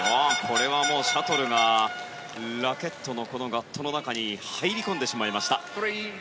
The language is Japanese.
シャトルがラケットのガットの中に入り込んでしまいました。